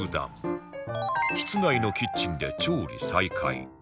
室内のキッチンで調理再開